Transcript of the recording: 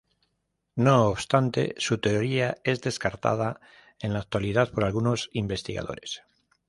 No obstante, su teoría es descartada en la actualidad por algunos investigadores.